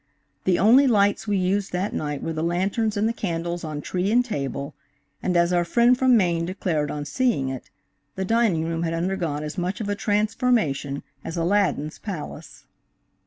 The only lights we used that night were the lanterns and the candles on tree and table, and as our friend from Maine declared on seeing it, the dining room had undergone as much of a transformation as Aladdin's palace.